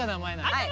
はい。